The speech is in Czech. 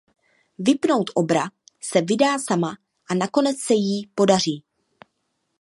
Vypnout obra se vydá sama a nakonec se jí podaří.